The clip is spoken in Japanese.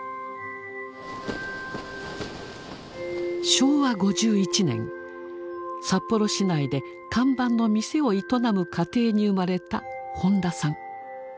昭和５１年札幌市内で看板の店を営む家庭に生まれた本田さん。